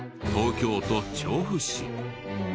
東京都調布市。